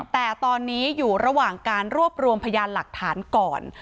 แต่ตอนนี้อยู่ระหว่างการรวบรวมพยานหลักฐานก่อน